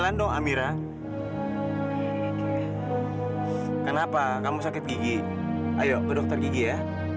apa aku harus berdoa